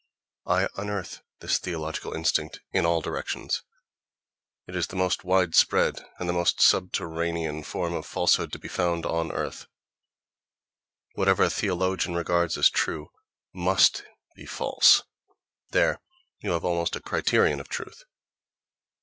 I unearth this theological instinct in all directions: it is the most widespread and the most subterranean form of falsehood to be found on earth. Whatever a theologian regards as true must be false: there you have almost a criterion of truth.